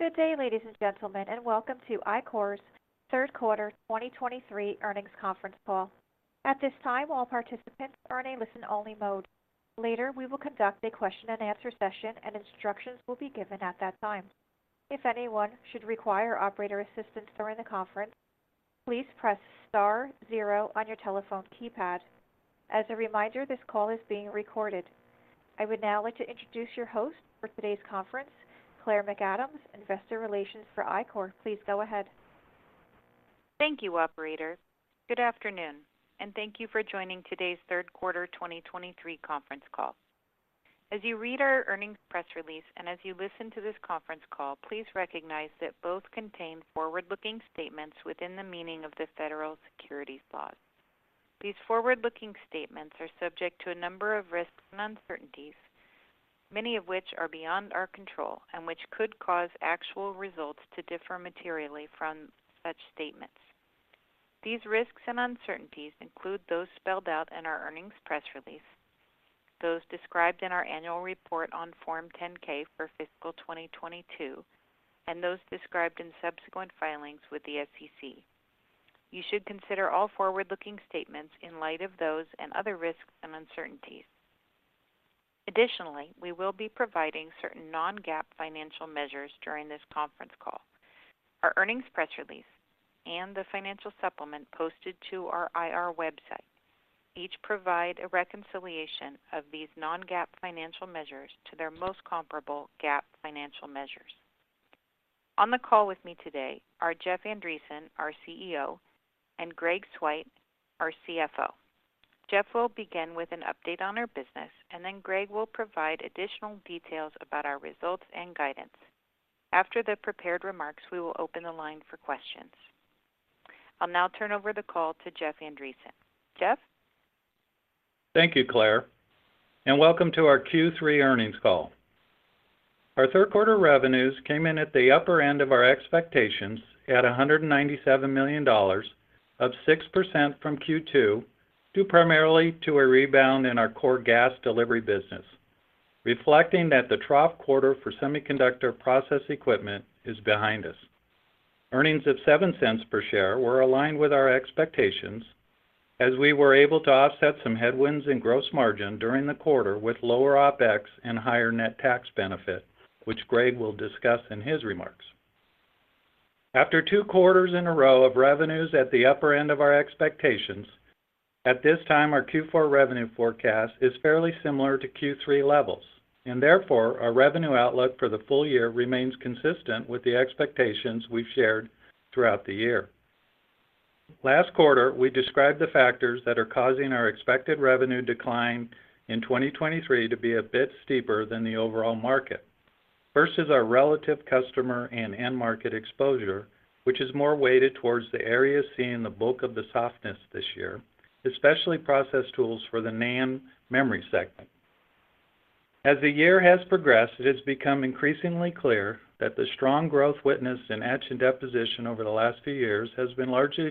Good day, ladies and gentlemen, and welcome to Ichor's third quarter 2023 earnings conference call. At this time, all participants are in a listen-only mode. Later, we will conduct a question-and-answer session, and instructions will be given at that time. If anyone should require operator assistance during the conference, please press star zero on your telephone keypad. As a reminder, this call is being recorded. I would now like to introduce your host for today's conference, Claire McAdams, Investor Relations for Ichor. Please go ahead. Thank you, operator. Good afternoon, and thank you for joining today's third quarter 2023 conference call. As you read our earnings press release, and as you listen to this conference call, please recognize that both contain forward-looking statements within the meaning of the federal securities laws. These forward-looking statements are subject to a number of risks and uncertainties, many of which are beyond our control and which could cause actual results to differ materially from such statements. These risks and uncertainties include those spelled out in our earnings press release, those described in our annual report on Form 10-K for fiscal 2022, and those described in subsequent filings with the SEC. You should consider all forward-looking statements in light of those and other risks and uncertainties. Additionally, we will be providing certain non-GAAP financial measures during this conference call. Our earnings press release and the financial supplement posted to our IR website each provide a reconciliation of these non-GAAP financial measures to their most comparable GAAP financial measures. On the call with me today are Jeff Andreson, our CEO, and Greg Swyt, our CFO. Jeff will begin with an update on our business, and then Greg will provide additional details about our results and guidance. After the prepared remarks, we will open the line for questions. I'll now turn over the call to Jeff Andreson. Jeff? Thank you, Claire, and welcome to our Q3 earnings call. Our third quarter revenues came in at the upper end of our expectations at $197 million, up 6% from Q2, due primarily to a rebound in our core gas delivery business, reflecting that the trough quarter for semiconductor process equipment is behind us. Earnings of $0.07 per share were aligned with our expectations as we were able to offset some headwinds in gross margin during the quarter with lower OpEx and higher net tax benefit, which Greg will discuss in his remarks. After two quarters in a row of revenues at the upper end of our expectations, at this time, our Q4 revenue forecast is fairly similar to Q3 levels, and therefore, our revenue outlook for the full year remains consistent with the expectations we've shared throughout the year. Last quarter, we described the factors that are causing our expected revenue decline in 2023 to be a bit steeper than the overall market. First is our relative customer and end market exposure, which is more weighted towards the areas seeing the bulk of the softness this year, especially process tools for the NAND memory segment. As the year has progressed, it has become increasingly clear that the strong growth witnessed in etch and deposition over the last few years has been largely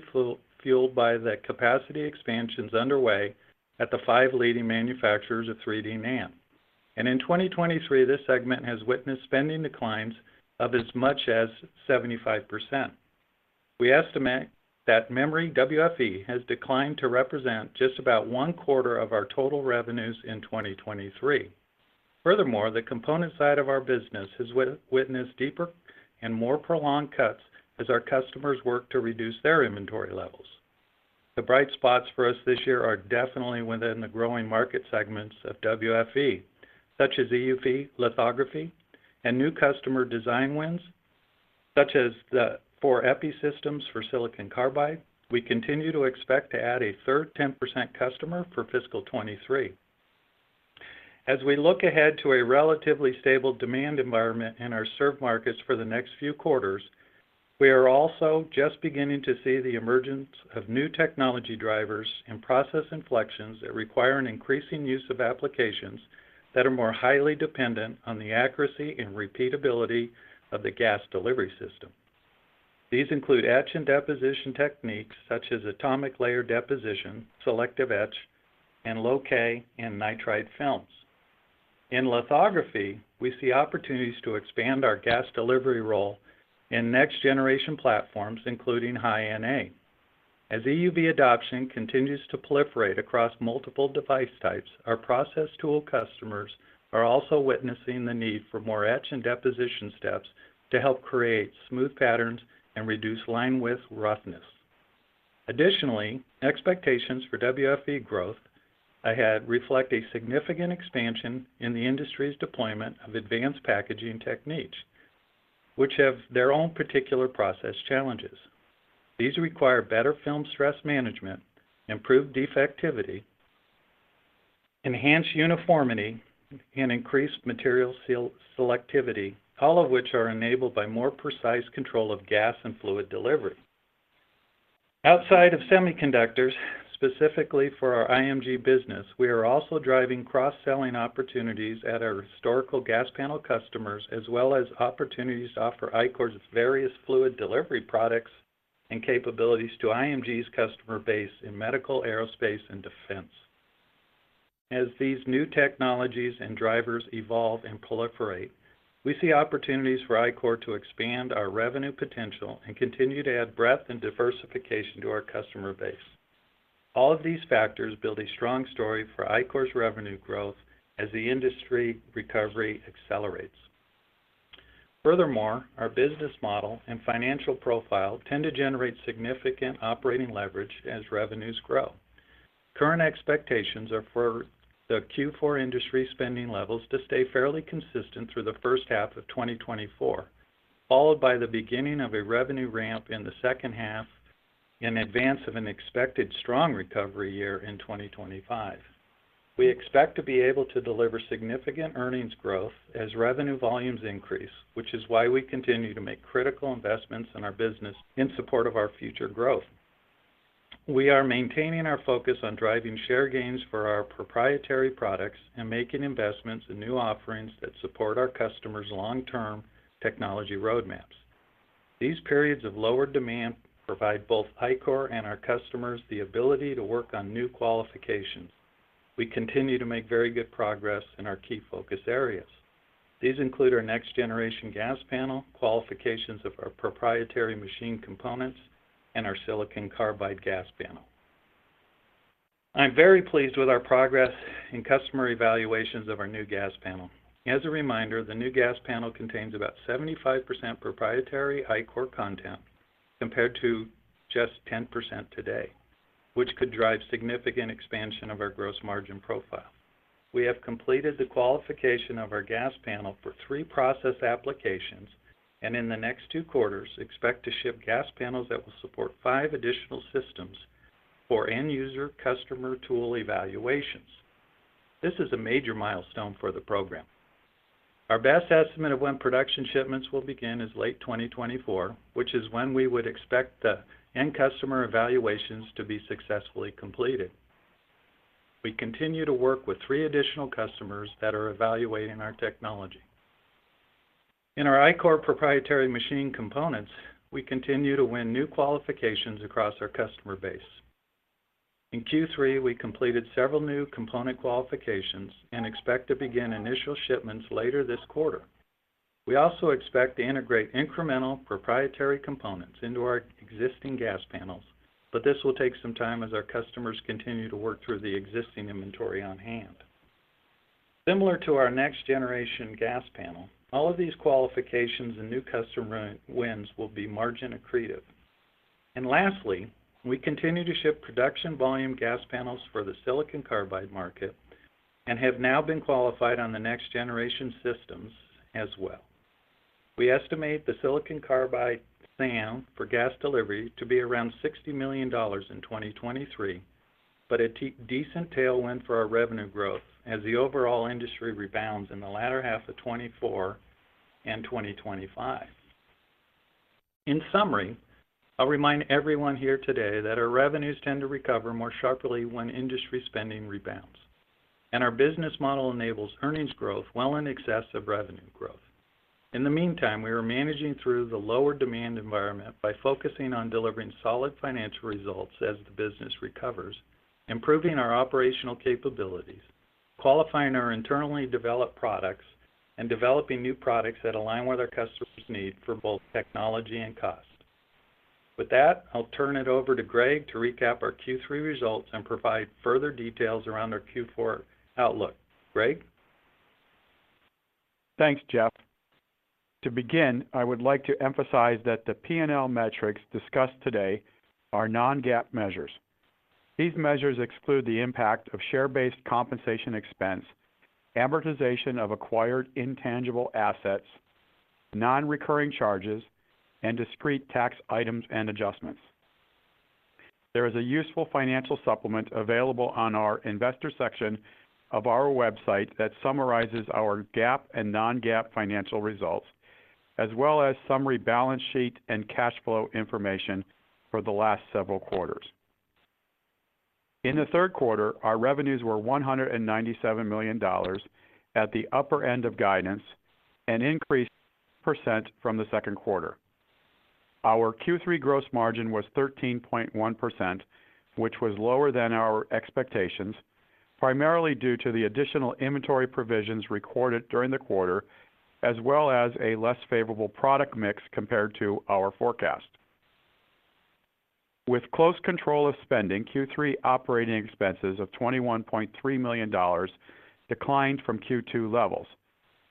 fueled by the capacity expansions underway at the five leading manufacturers of 3D NAND. And in 2023, this segment has witnessed spending declines of as much as 75%. We estimate that memory WFE has declined to represent just about one quarter of our total revenues in 2023. Furthermore, the component side of our business has witnessed deeper and more prolonged cuts as our customers work to reduce their inventory levels. The bright spots for us this year are definitely within the growing market segments of WFE, such as EUV, lithography, and new customer design wins, such as the four EPI systems for silicon carbide. We continue to expect to add a third 10% customer for fiscal 2023. As we look ahead to a relatively stable demand environment in our served markets for the next few quarters, we are also just beginning to see the emergence of new technology drivers and process inflections that require an increasing use of applications that are more highly dependent on the accuracy and repeatability of the gas delivery system. These include etch and deposition techniques such as Atomic Layer Deposition, Selective Etch, and low-k and Nitride Films. In lithography, we see opportunities to expand our gas delivery role in next generation platforms, including High-NA. As EUV adoption continues to proliferate across multiple device types, our process tool customers are also witnessing the need for more etch and deposition steps to help create smooth patterns and reduce line width roughness. Additionally, expectations for WFE growth ahead reflect a significant expansion in the industry's deployment of advanced packaging techniques, which have their own particular process challenges. These require better film stress management, improved defectivity, enhanced uniformity, and increased material seal, selectivity, all of which are enabled by more precise control of gas and fluid delivery. Outside of semiconductors, specifically for our IMG business, we are also driving cross-selling opportunities at our historical Gas Panel customers, as well as opportunities to offer Ichor's various fluid delivery products and capabilities to IMG's customer base in medical, aerospace, and defense. As these new technologies and drivers evolve and proliferate, we see opportunities for Ichor to expand our revenue potential and continue to add breadth and diversification to our customer base. All of these factors build a strong story for Ichor's revenue growth as the industry recovery accelerates. Furthermore, our business model and financial profile tend to generate significant operating leverage as revenues grow. Current expectations are for the Q4 industry spending levels to stay fairly consistent through the first half of 2024, followed by the beginning of a revenue ramp in the second half, in advance of an expected strong recovery year in 2025. We expect to be able to deliver significant earnings growth as revenue volumes increase, which is why we continue to make critical investments in our business in support of our future growth. We are maintaining our focus on driving share gains for our proprietary products and making investments in new offerings that support our customers' long-term technology roadmaps. These periods of lower demand provide both Ichor and our customers the ability to work on new qualifications. We continue to make very good progress in our key focus areas. These include our next-generation Gas Panel, qualifications of our proprietary machine components, and our Silicon Carbide Gas Panel. I'm very pleased with our progress in customer evaluations of our new Gas Panel. As a reminder, the new Gas Panel contains about 75% proprietary Ichor content, compared to just 10% today, which could drive significant expansion of our gross margin profile. We have completed the qualification of our Gas Panel for three process applications, and in the next two quarters, expect to ship Gas Panels that will support five additional systems for end user customer tool evaluations. This is a major milestone for the program. Our best estimate of when production shipments will begin is late 2024, which is when we would expect the end customer evaluations to be successfully completed. We continue to work with three additional customers that are evaluating our technology. In our Ichor proprietary machine components, we continue to win new qualifications across our customer base. In Q3, we completed several new component qualifications and expect to begin initial shipments later this quarter. We also expect to integrate incremental proprietary components into our existing Gas Panels, but this will take some time as our customers continue to work through the existing inventory on hand. Similar to our next-generation Gas Panel, all of these qualifications and new customer wins will be margin accretive. And lastly, we continue to ship production volume Gas Panels for the Silicon Carbide market and have now been qualified on the next-generation systems as well. We estimate the Silicon Carbide SAM for gas delivery to be around $60 million in 2023, but a decent tailwind for our revenue growth as the overall industry rebounds in the latter half of 2024 and 2025. In summary, I'll remind everyone here today that our revenues tend to recover more sharply when industry spending rebounds, and our business model enables earnings growth well in excess of revenue growth. In the meantime, we are managing through the lower demand environment by focusing on delivering solid financial results as the business recovers, improving our operational capabilities, qualifying our internally developed products, and developing new products that align with our customers' need for both technology and cost. With that, I'll turn it over to Greg to recap our Q3 results and provide further details around our Q4 outlook. Greg? Thanks, Jeff. To begin, I would like to emphasize that the P&L metrics discussed today are non-GAAP measures. These measures exclude the impact of share-based compensation expense, amortization of acquired intangible assets, non-recurring charges, and discrete tax items and adjustments. There is a useful financial supplement available on our investor section of our website that summarizes our GAAP and non-GAAP financial results, as well as summary balance sheet and cash flow information for the last several quarters. In the third quarter, our revenues were $197 million at the upper end of guidance, an increase 6% from the second quarter. Our Q3 gross margin was 13.1%, which was lower than our expectations, primarily due to the additional inventory provisions recorded during the quarter, as well as a less favorable product mix compared to our forecast. With close control of spending, Q3 operating expenses of $21.3 million declined from Q2 levels.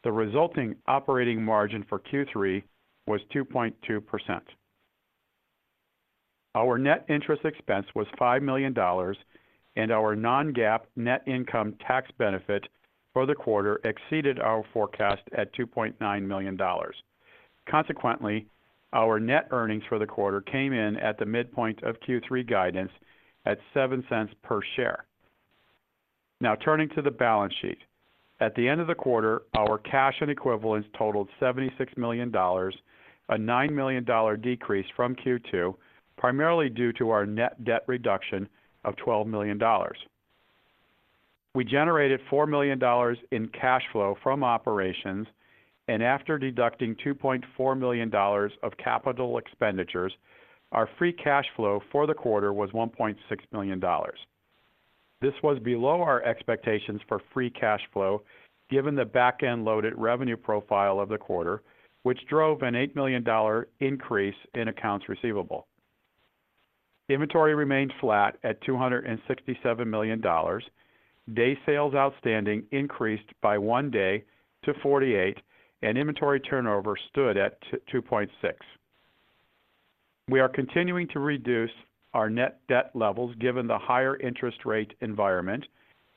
The resulting operating margin for Q3 was 2.2%. Our net interest expense was $5 million, and our non-GAAP net income tax benefit for the quarter exceeded our forecast at $2.9 million. Consequently, our net earnings for the quarter came in at the midpoint of Q3 guidance at $0.07 per share. Now, turning to the balance sheet. At the end of the quarter, our cash and equivalents totaled $76 million, a $9 million decrease from Q2, primarily due to our net debt reduction of $12 million. We generated $4 million in cash flow from operations, and after deducting $2.4 million of capital expenditures, our free cash flow for the quarter was $1.6 million.... This was below our expectations for free cash flow, given the back-end loaded revenue profile of the quarter, which drove an $8 million increase in accounts receivable. Inventory remained flat at $267 million. Day sales outstanding increased by one day to 48, and inventory turnover stood at 2.6. We are continuing to reduce our net debt levels, given the higher interest rate environment,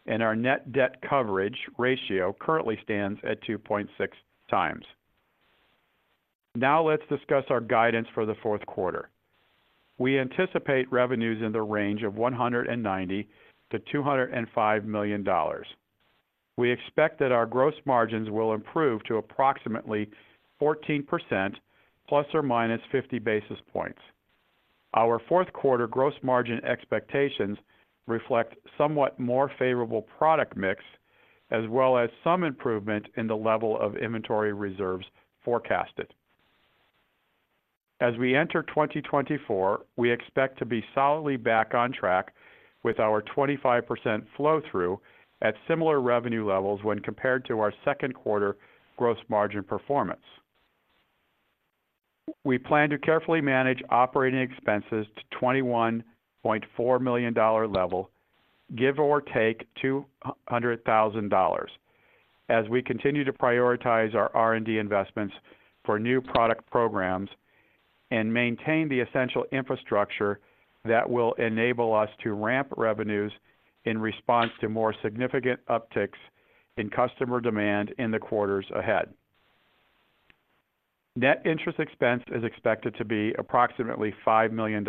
and our net debt coverage ratio currently stands at 2.6x. Now let's discuss our guidance for the fourth quarter. We anticipate revenues in the range of $190 million-$205 million. We expect that our gross margins will improve to approximately 14%, ±50 basis points. Our fourth quarter gross margin expectations reflect somewhat more favorable product mix, as well as some improvement in the level of inventory reserves forecasted. As we enter 2024, we expect to be solidly back on track with our 25% flow-through at similar revenue levels when compared to our second quarter gross margin performance. We plan to carefully manage operating expenses to $21.4 million level, give or take $200,000, as we continue to prioritize our R&D investments for new product programs and maintain the essential infrastructure that will enable us to ramp revenues in response to more significant upticks in customer demand in the quarters ahead. Net interest expense is expected to be approximately $5 million.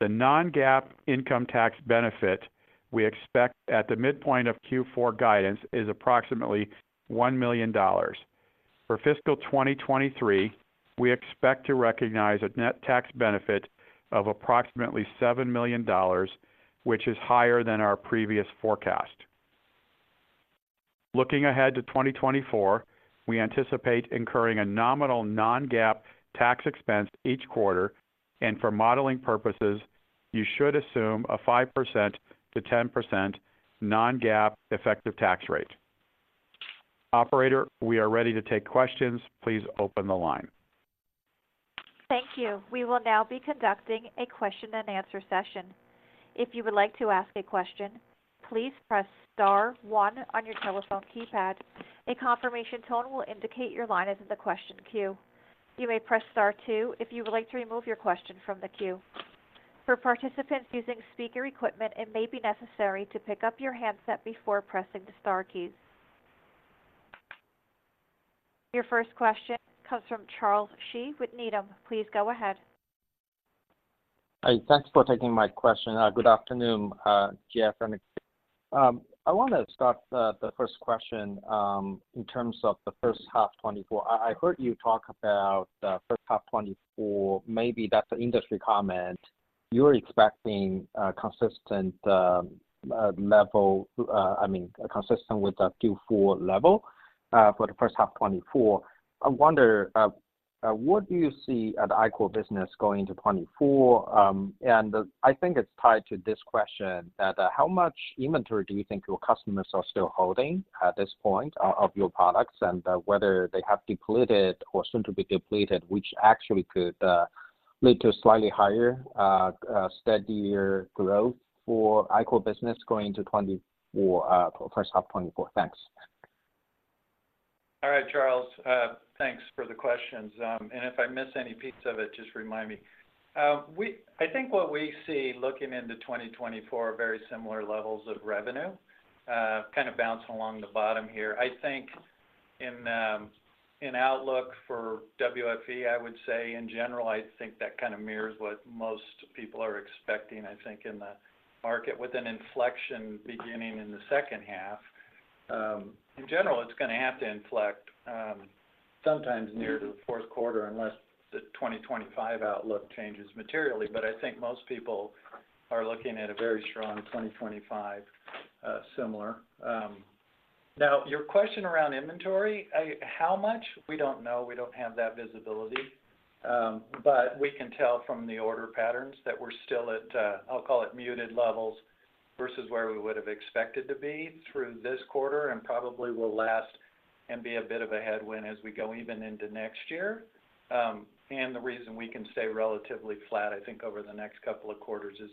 The non-GAAP income tax benefit we expect at the midpoint of Q4 guidance is approximately $1 million. For fiscal 2023, we expect to recognize a net tax benefit of approximately $7 million, which is higher than our previous forecast. Looking ahead to 2024, we anticipate incurring a nominal non-GAAP tax expense each quarter, and for modeling purposes, you should assume a 5%-10% non-GAAP effective tax rate. Operator, we are ready to take questions. Please open the line. Thank you. We will now be conducting a question-and-answer session. If you would like to ask a question, please press star one on your telephone keypad. A confirmation tone will indicate your line is in the question queue. You may press star two if you would like to remove your question from the queue. For participants using speaker equipment, it may be necessary to pick up your handset before pressing the star keys. Your first question comes from Charles Shi with Needham. Please go ahead. Hi, thanks for taking my question. Good afternoon, Jeff and team. I want to start the first question in terms of the first half 2024. I heard you talk about the first half 2024. Maybe that's an industry comment. You're expecting a consistent level, I mean, consistent with the Q4 level, for the first half 2024. I wonder what do you see at the Ichor business going into 2024? And I think it's tied to this question, that how much inventory do you think your customers are still holding at this point of your products? Whether they have depleted or soon to be depleted, which actually could lead to slightly higher, steadier growth for Ichor business going into 2024, first half 2024. Thanks. All right, Charles, thanks for the questions. And if I miss any piece of it, just remind me. I think what we see looking into 2024 are very similar levels of revenue, kind of bouncing along the bottom here. I think in outlook for WFE, I would say in general, I think that kind of mirrors what most people are expecting, I think, in the market, with an inflection beginning in the second half. In general, it's going to have to inflect, sometimes near to the fourth quarter, unless the 2025 outlook changes materially. But I think most people are looking at a very strong 2025, similar. Now, your question around inventory, how much? We don't know. We don't have that visibility, but we can tell from the order patterns that we're still at, I'll call it muted levels, versus where we would have expected to be through this quarter and probably will last and be a bit of a headwind as we go even into next year. And the reason we can stay relatively flat, I think, over the next couple of quarters is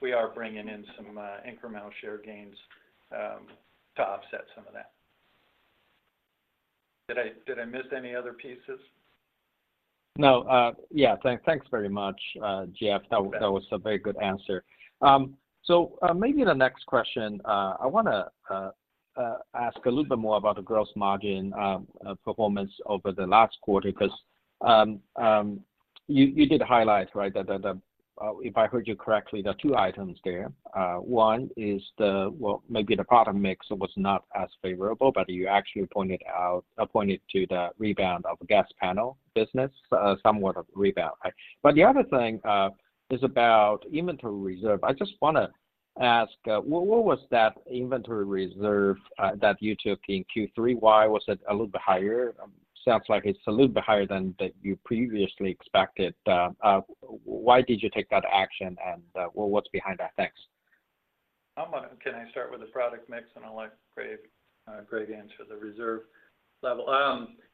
we are bringing in some, incremental share gains, to offset some of that. Did I miss any other pieces? No. Yeah, thanks very much, Jeff. Okay. That was a very good answer. So, maybe the next question, I want to ask a little bit more about the gross margin performance over the last quarter, because, you did highlight, right, that the, If I heard you correctly, there are two items there. One is the, well, maybe the product mix was not as favorable, but you actually pointed out the rebound of Gas Panel business, somewhat of a rebound, right? But the other thing is about inventory reserve. I just want to ask, what was that inventory reserve that you took in Q3? Why was it a little bit higher? Sounds like it's a little bit higher than that you previously expected. Why did you take that action, and what's behind that? Thanks. I'm gonna, can I start with the product mix, and I'll let Greg, Greg answer the reserve level.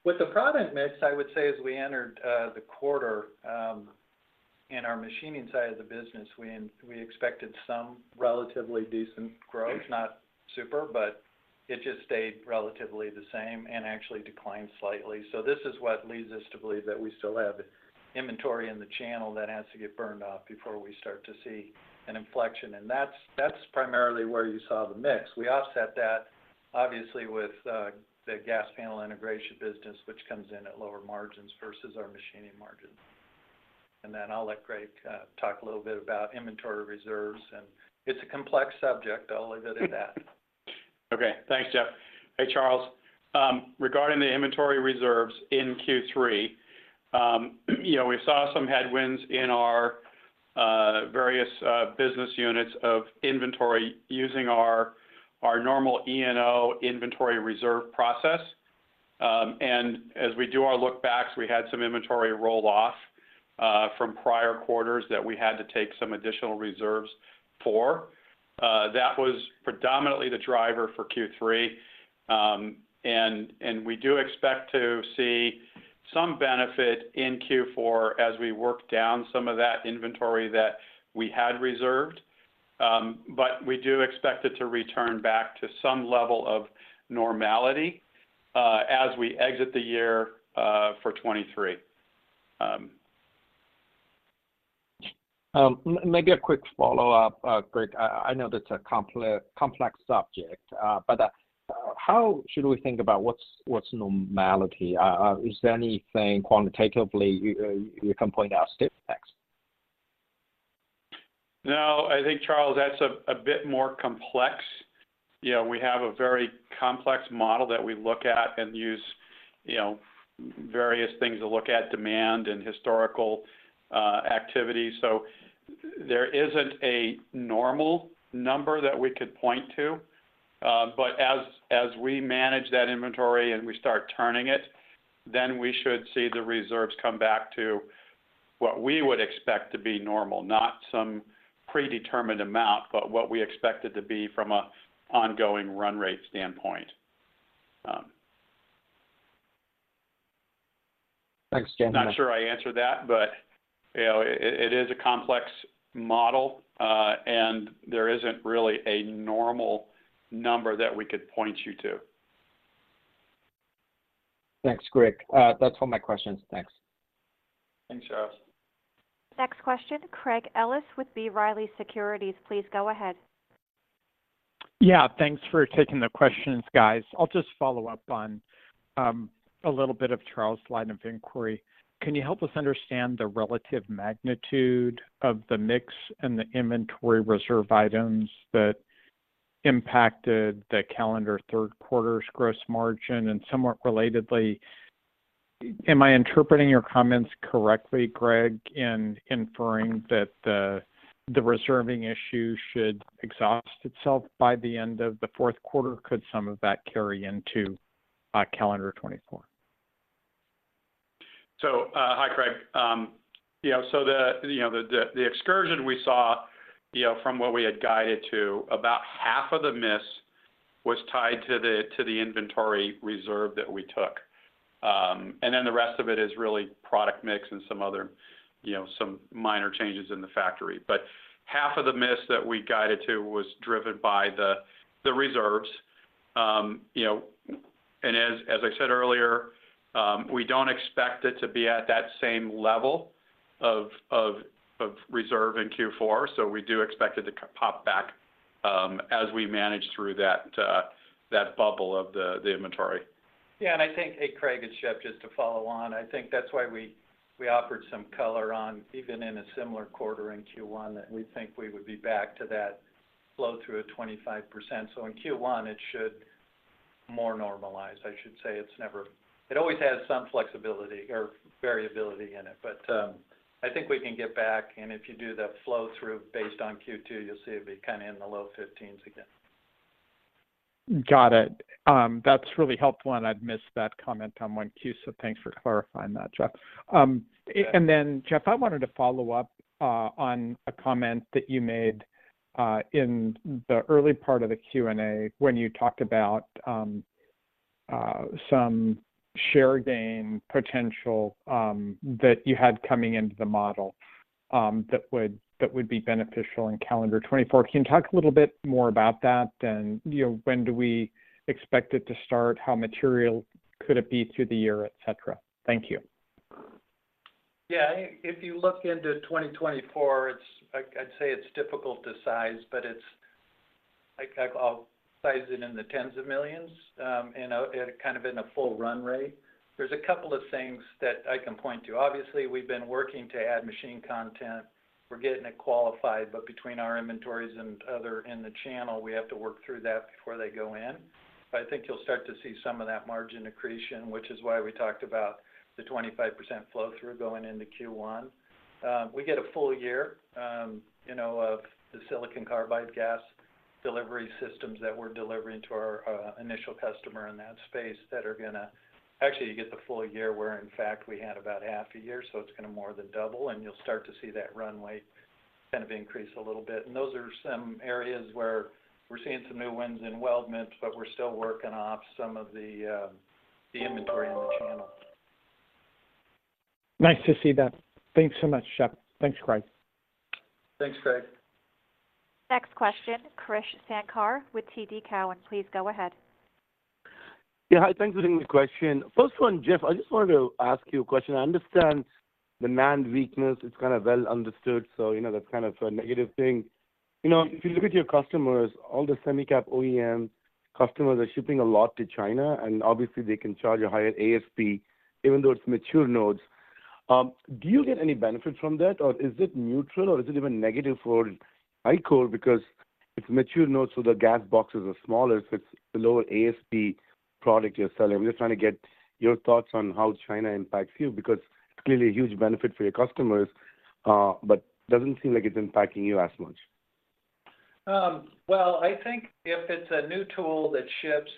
With the product mix, I would say as we entered the quarter, in our machining side of the business, we expected some relatively decent growth, not super, but it just stayed relatively the same and actually declined slightly. So this is what leads us to believe that we still have inventory in the channel that has to get burned off before we start to see an inflection. And that's primarily where you saw the mix. We offset that, obviously, with the Gas Panel integration business, which comes in at lower margins versus our machining margins. And then I'll let Greg talk a little bit about inventory reserves, and it's a complex subject. I'll leave it at that. Okay. Thanks, Jeff. Hey, Charles. Regarding the inventory reserves in Q3, you know, we saw some headwinds in our various business units of inventory using our normal ENO inventory reserve process. And as we do our look backs, we had some inventory roll off from prior quarters that we had to take some additional reserves for. That was predominantly the driver for Q3. And we do expect to see some benefit in Q4 as we work down some of that inventory that we had reserved. But we do expect it to return back to some level of normality as we exit the year for 2023. Maybe a quick follow-up, Greg. I know that's a complex subject, but, how should we think about what's normality? Is there anything quantitatively you can point out specifically? No, I think, Charles, that's a bit more complex. You know, we have a very complex model that we look at and use, you know, various things to look at demand and historical activity. So there isn't a normal number that we could point to. But as we manage that inventory and we start turning it, then we should see the reserves come back to what we would expect to be normal, not some predetermined amount, but what we expect it to be from an ongoing run rate standpoint. Thanks, Jeff. Not sure I answered that, but, you know, it is a complex model, and there isn't really a normal number that we could point you to. Thanks, Greg. That's all my questions. Thanks. Thanks, Charles. Next question, Craig Ellis with B. Riley Securities. Please go ahead. Yeah, thanks for taking the questions, guys. I'll just follow up on a little bit of Charles' line of inquiry. Can you help us understand the relative magnitude of the mix and the inventory reserve items that impacted the calendar third quarter's gross margin? And somewhat relatedly, am I interpreting your comments correctly, Greg, in inferring that the reserving issue should exhaust itself by the end of the fourth quarter? Could some of that carry into calendar 2024? Hi, Craig. Yeah, so the excursion we saw, you know, from what we had guided to, about half of the miss was tied to the inventory reserve that we took. And then the rest of it is really product mix and some other, you know, some minor changes in the factory. But half of the miss that we guided to was driven by the reserves. You know, and as I said earlier, we don't expect it to be at that same level of reserve in Q4, so we do expect it to pop back, as we manage through that bubble of the inventory. Yeah, and I think, hey, Craig, it's Jeff, just to follow on. I think that's why we, we offered some color on, even in a similar quarter in Q1, that we think we would be back to that flow through of 25%. So in Q1, it should more normalize. I should say it's never. It always has some flexibility or variability in it, but, I think we can get back, and if you do the flow through based on Q2, you'll see it be kind of in the low 15s again. Got it. That's really helpful, and I'd missed that comment on one Q, so thanks for clarifying that, Jeff. And then Jeff, I wanted to follow up on a comment that you made in the early part of the Q&A when you talked about some share gain potential that you had coming into the model that would, that would be beneficial in calendar 2024. Can you talk a little bit more about that than, you know, when do we expect it to start? How material could it be through the year, et cetera? Thank you. Yeah, if you look into 2024, It's difficult to size, but it's. I'll size it in the tens of millions, you know, at a kind of in a full run rate. There's a couple of things that I can point to. Obviously, we've been working to add machine content. We're getting it qualified, but between our inventories and other in the channel, we have to work through that before they go in. But I think you'll start to see some of that margin accretion, which is why we talked about the 25% flow-through going into Q1. We get a full year, you know, of the silicon carbide gas delivery systems that we're delivering to our initial customer in that space that are gonna. Actually, you get the full year, where in fact, we had about half a year, so it's gonna more than double, and you'll start to see that runway... kind of increase a little bit. And those are some areas where we're seeing some new wins in weldments, but we're still working off some of the, the inventory on the channel. Nice to see that. Thanks so much, Jeff. Thanks, Craig. Thanks, Craig. Next question, Krish Sankar with TD Cowen. Please go ahead. Yeah. Hi, thanks for taking the question. First one, Jeff, I just wanted to ask you a question. I understand the NAND weakness, it's kind of well understood, so, you know, that's kind of a negative thing. You know, if you look at your customers, all the semi cap OEM customers are shipping a lot to China, and obviously they can charge a higher ASP, even though it's mature nodes. Do you get any benefit from that, or is it neutral, or is it even negative for Ichor? Because it's mature nodes, so the gas boxes are smaller, so it's a lower ASP product you're selling. I'm just trying to get your thoughts on how China impacts you, because it's clearly a huge benefit for your customers, but doesn't seem like it's impacting you as much. Well, I think if it's a new tool that ships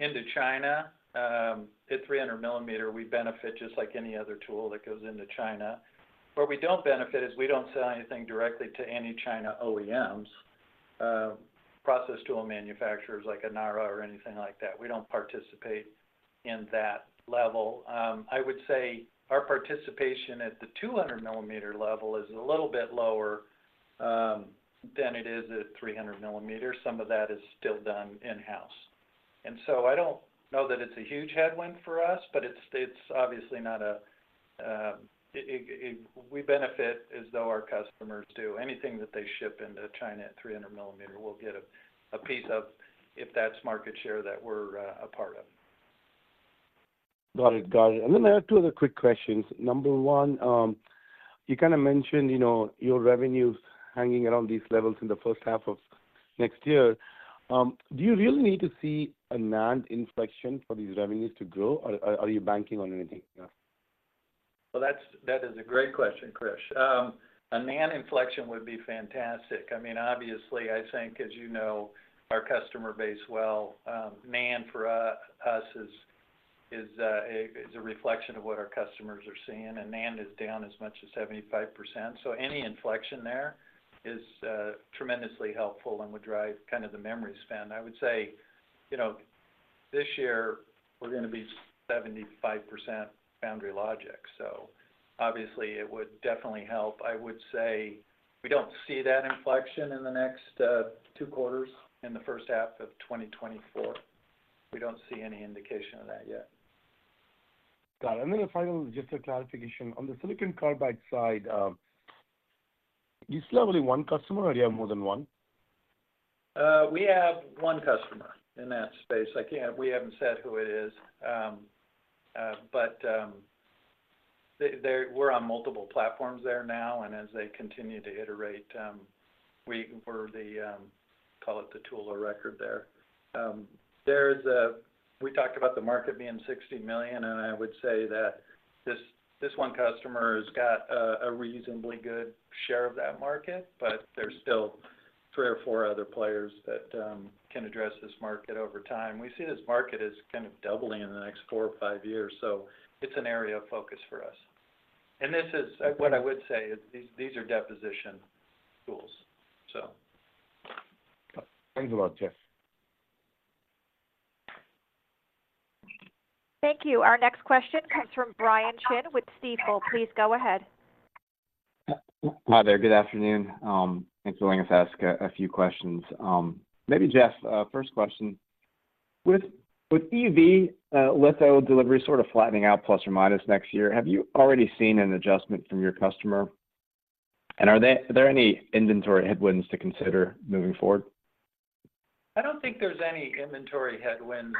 into China, at 300 millimeter, we benefit just like any other tool that goes into China. Where we don't benefit is we don't sell anything directly to any China OEMs, process tool manufacturers like Naura or anything like that. We don't participate in that level. I would say our participation at the 200 millimeter level is a little bit lower, than it is at 300 millimeters. Some of that is still done in-house. So I don't know that it's a huge headwind for us, but it's obviously not a headwind for us, but we benefit as though our customers do. Anything that they ship into China at 300 millimeter, we'll get a piece of, if that's market share that we're a part of. Got it. Got it. And then I have two other quick questions. Number one, you kind of mentioned, you know, your revenues hanging around these levels in the first half of next year. Do you really need to see a NAND inflection for these revenues to grow, or, or are you banking on anything else? Well, that's, that is a great question, Krish. A NAND inflection would be fantastic. I mean, obviously, I think as you know, our customer base well, NAND for us is a reflection of what our customers are seeing, and NAND is down as much as 75%. So any inflection there is tremendously helpful and would drive kind of the memory spend. I would say, you know, this year we're going to be 75% foundry logic, so obviously it would definitely help. I would say we don't see that inflection in the next two quarters, in the first half of 2024. We don't see any indication of that yet. Got it. And then a final, just a clarification. On the Silicon Carbide side, you still have only one customer, or you have more than one? We have one customer in that space. I can't—we haven't said who it is, but they. We're on multiple platforms there now, and as they continue to iterate, we were the, call it the tool of record there. There is a—we talked about the market being $60 million, and I would say that this one customer has got a reasonably good share of that market, but there's still three or four other players that can address this market over time. We see this market as kind of doubling in the next four or five years, so it's an area of focus for us. And this is what I would say is these are deposition tools, so. Thanks a lot, Jeff. Thank you. Our next question comes from Brian Chin with Stifel. Please go ahead. Hi there. Good afternoon. Thanks for letting us ask a few questions. Maybe, Jeff, first question: With EUV litho delivery sort of flattening out plus or minus next year, have you already seen an adjustment from your customer? And are there any inventory headwinds to consider moving forward? I don't think there's any inventory headwinds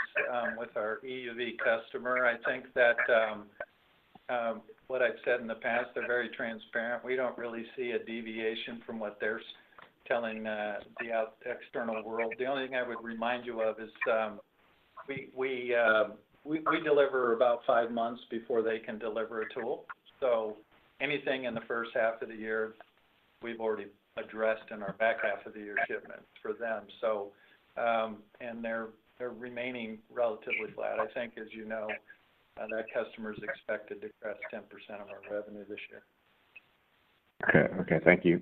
with our EUV customer. I think that what I've said in the past, they're very transparent. We don't really see a deviation from what they're telling the external world. The only thing I would remind you of is we deliver about five months before they can deliver a tool. So anything in the first half of the year, we've already addressed in our back half of the year shipments for them. So and they're remaining relatively flat. I think, as you know, that customer is expected to cross 10% of our revenue this year. Okay. Okay, thank you.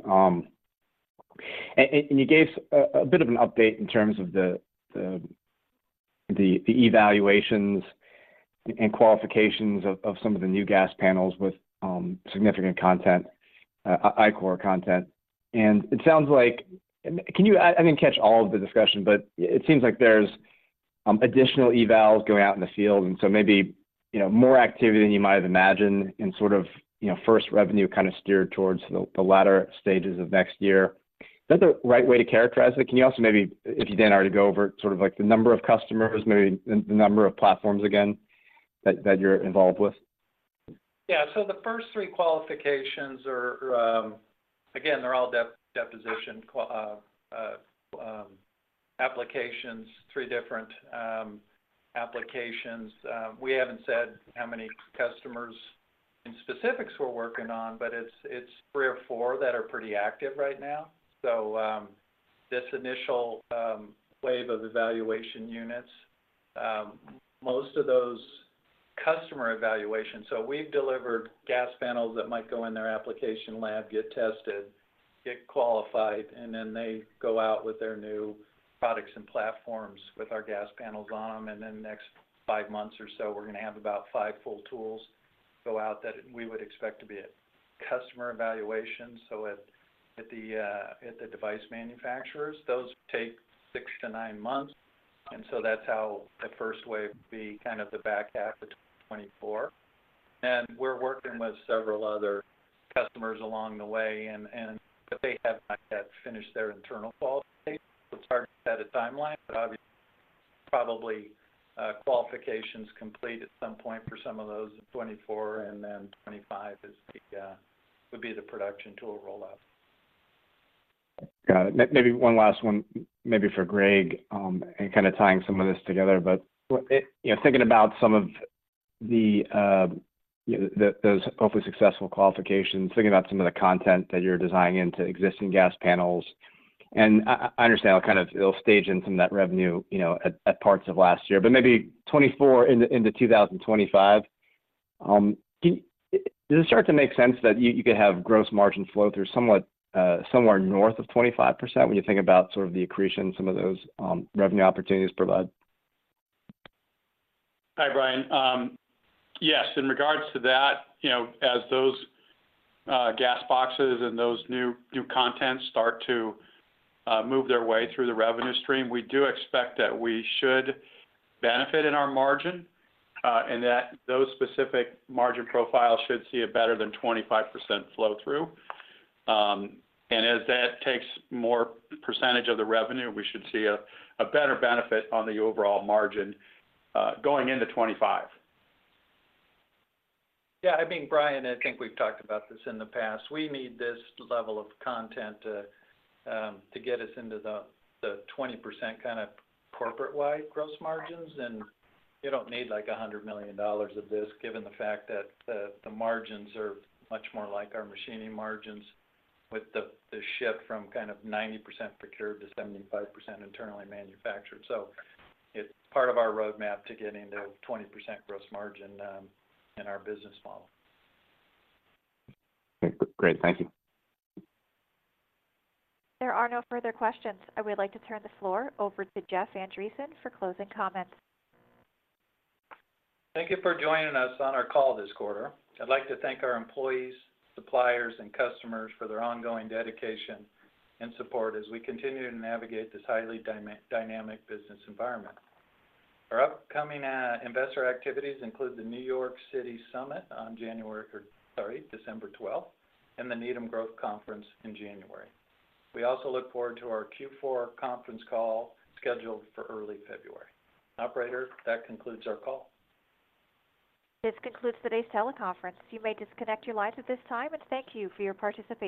And you gave a bit of an update in terms of the evaluations and qualifications of some of the new Gas Panels with significant content, Ichor content. And it sounds like... Can you add? I didn't catch all of the discussion, but it seems like there's additional evals going out in the field, and so maybe, you know, more activity than you might have imagined in sort of, you know, first revenue kind of steered towards the latter stages of next year. Is that the right way to characterize it? Can you also maybe, if you didn't already go over it, sort of like the number of customers, maybe the number of platforms again, that you're involved with? Yeah. So the first three qualifications are, again, they're all deposition applications, three different applications. We haven't said how many customers and specifics we're working on, but it's three or four that are pretty active right now. So, this initial wave of evaluation units, most of those customer evaluation. So we've delivered Gas Panels that might go in their application lab, get tested, get qualified, and then they go out with their new products and platforms with our Gas Panels on them. And then the next five months or so, we're gonna have about five full tools go out that we would expect to be at customer evaluation. So at the device manufacturers, those take 6-9 months, and so that's how the first wave would be kind of the back half of 2024. And we're working with several other customers along the way, and but they have not yet finished their internal qualification. It's hard to set a timeline, but obviously, probably, qualifications complete at some point for some of those in 2024, and then 2025 is the would be the production tool rollout. Got it. Maybe one last one, maybe for Greg, and kind of tying some of this together, but it you know thinking about some of the you know the those hopefully successful qualifications, thinking about some of the content that you're designing into existing Gas Panels. I understand how kind of it'll stage in some of that revenue, you know at parts of last year, but maybe 2024 into 2025, does it start to make sense that you could have gross margin flow through somewhat somewhere north of 25% when you think about sort of the accretion some of those revenue opportunities provide? Hi, Brian. Yes, in regards to that, you know, as those gas boxes and those new, new contents start to move their way through the revenue stream, we do expect that we should benefit in our margin, and that those specific margin profiles should see a better than 25% flow-through. And as that takes more percentage of the revenue, we should see a better benefit on the overall margin, going into 2025. Yeah, I mean, Brian, I think we've talked about this in the past. We need this level of content to get us into the 20% kind of corporate-wide gross margins, and you don't need, like, a $100 million of this, given the fact that the margins are much more like our machining margins with the shift from kind of 90% procured to 75% internally manufactured. So it's part of our roadmap to getting to 20% gross margin in our business model. Okay, great. Thank you. There are no further questions. I would like to turn the floor over to Jeff Andreson for closing comments. Thank you for joining us on our call this quarter. I'd like to thank our employees, suppliers, and customers for their ongoing dedication and support as we continue to navigate this highly dynamic business environment. Our upcoming investor activities include the New York City Summit on December twelfth, and the Needham Growth Conference in January. We also look forward to our Q4 conference call, scheduled for early February. Operator, that concludes our call. This concludes today's teleconference. You may disconnect your lines at this time, and thank you for your participation.